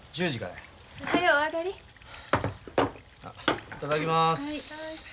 いただきます。